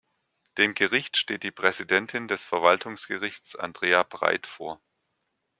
Dem Gericht steht die Präsidentin des Verwaltungsgerichts Andrea Breit vor.